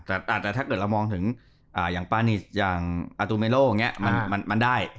อ่าแต่ถ้าเกิดเรามองถึงอย่างปานิชอย่างอาตูเมโลมันได้